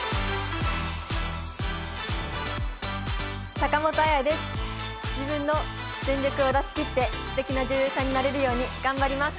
坂本彩です、自分の全力を出し切ってすてきな女優さんになれるように頑張ります。